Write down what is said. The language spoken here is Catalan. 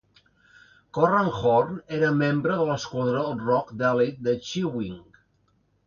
Corran Horn era membre de l'esquadró Rogue d'elit de X-wing.